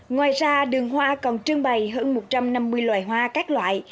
ngoài ra đường hoa còn trưng bày hơn một trăm năm mươi loài hoa các loại